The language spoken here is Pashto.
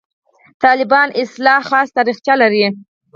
«طالبان» اصطلاح خاصه تاریخچه لري.